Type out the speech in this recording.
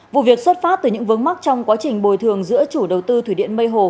vụ việc xuất phát từ những vướng mắc trong quá trình bồi thường giữa chủ đầu tư thủy điện mây hồ